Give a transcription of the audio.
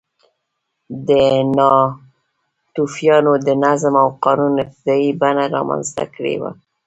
ناتوفیانو د نظم او قانون ابتدايي بڼه رامنځته کړې وه